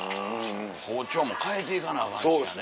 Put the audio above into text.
包丁も変えていかなアカンしやね。